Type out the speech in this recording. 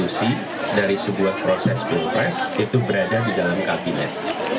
solusi dari sebuah proses pilpres itu berada di dalam kabinet